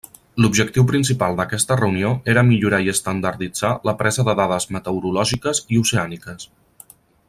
L'objectiu principal d'aquesta reunió era millorar i estandarditzar la presa de dades meteorològiques i oceàniques.